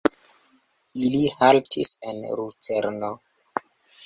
Ili haltis en Lucerno.